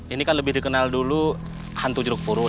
ini kan lebih dikenal dulu hantu jeruk purut